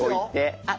あっ！